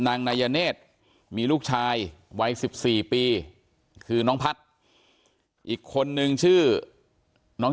นายเนธมีลูกชายวัย๑๔ปีคือน้องพัฒน์อีกคนนึงชื่อน้อง